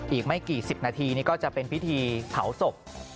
อีกไม่กี่สิบนาทีนี่ก็จะเป็นพิธีเผาศพ